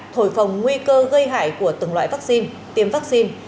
thổi phòng nguy cơ gây hại của từng loại vaccine tiêm vaccine